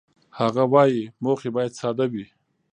هغه وايي، موخې باید ساده وي.